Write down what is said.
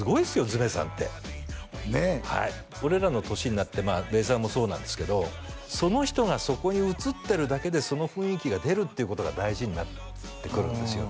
爪さんって俺らの年になってべーさんもそうなんですけどその人がそこに映ってるだけでその雰囲気が出るっていうことが大事になってくるんですよ